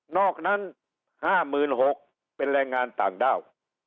อกนั้น๕๖๐๐เป็นแรงงานต่างด้าว